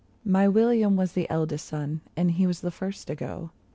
My William was the eldest son, and he was first to go.